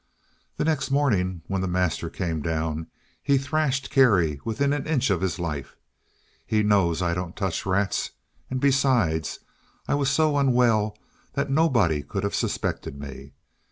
The next morning, when the master came down, he thrashed Kerry within an inch of his life. He knows I don't touch rats; and, besides, I was so unwell that nobody could have suspected me.